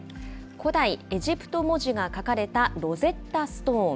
古代エジプト文字が書かれたロゼッタストーン。